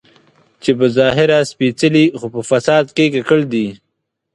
چې په ظاهره سپېڅلي خو په فساد کې ککړ دي.